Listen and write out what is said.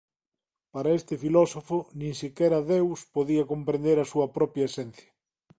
Para este filósofo nin sequera Deus podía comprender a súa propia esencia.